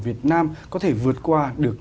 việt nam có thể vượt qua được